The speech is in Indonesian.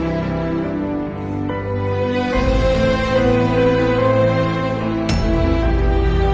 apa mama masih di kantin ya